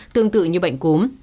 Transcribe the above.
tương tự như bệnh cúm